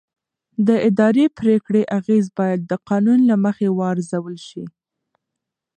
د اداري پرېکړې اغېز باید د قانون له مخې وارزول شي.